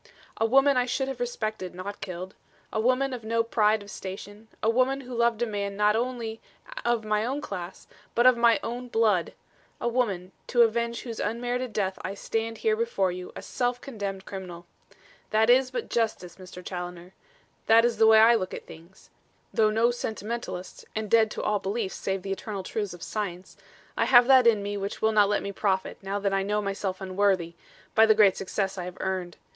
A woman I should have respected, not killed. A woman of no pride of station; a woman who loved a man not only of my own class but of my own blood a woman, to avenge whose unmerited death I stand here before you a self condemned criminal. That is but justice, Mr. Challoner. That is the way I look at things. Though no sentimentalist; and dead to all beliefs save the eternal truths of science, I have that in me which will not let me profit, now that I know myself unworthy, by the great success I have earned.